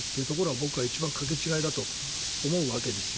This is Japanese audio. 僕は一番掛け違いだと思うわけですよ。